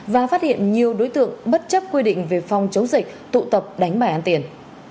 và phát hiện nhiều đối tượng bất chấp quy định về phòng chống dịch tụ tập đánh bài ăn tiền